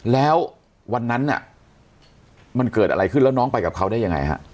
แล้ววันนั้นมันเกิดอะไรขึ้นแล้วน้องไปกับเขาได้ยังไงฮะ